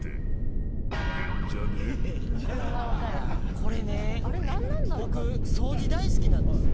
これね僕掃除大好きなんですよ